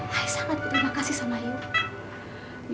saya sangat berterima kasih sama ibu